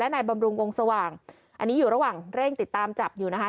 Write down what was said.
บำรุงวงสว่างอันนี้อยู่ระหว่างเร่งติดตามจับอยู่นะคะ